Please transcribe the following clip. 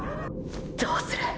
どうする！！